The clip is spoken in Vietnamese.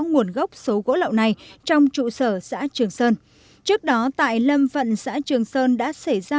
nguồn gốc số gỗ lậu này trong trụ sở xã trường sơn trước đó tại lâm vận xã trường sơn đã xảy ra